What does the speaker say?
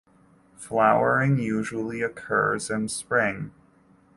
Flowering usually occurs in spring.